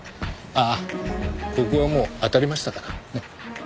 ああここはもうあたりましたから。